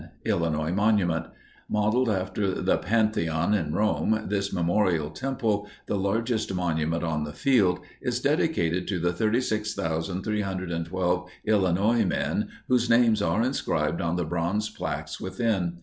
ILLINOIS MONUMENT. Modeled after the Pantheon in Rome, this Memorial Temple, the largest monument on the field, is dedicated to the 36,312 Illinois men whose names are inscribed on the bronze plaques within.